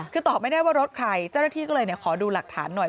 คือตอบไม่ได้ว่ารถใครเจ้าหน้าที่ก็เลยขอดูหลักฐานหน่อย